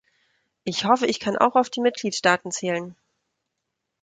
Ich hoffe, ich kann auch auf die Mitgliedstaaten zählen.